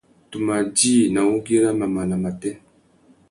Tu mà djï nà wugüira mamana matê.